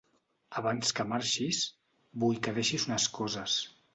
Abans que marxis, vull que deixis unes coses.